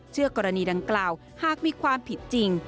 กรณีดังกล่าวหากมีความผิดจริง